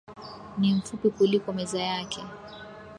Ni mfupi kuliko meza yake.